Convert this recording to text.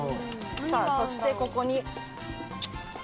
さあそしてここにネギ。